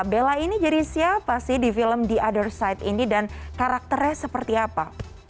bella ini jadi siapa sih di film the othersite ini dan karakternya seperti apa